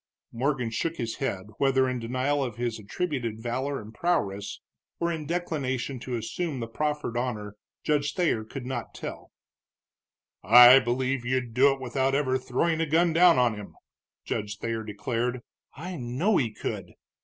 Morgan shook his head, whether in denial of his attributed valor and prowess, or in declination to assume the proffered honor, Judge Thayer could not tell. "I believe you'd do it without ever throwing a gun down on him," Judge Thayer declared. "I know he could!"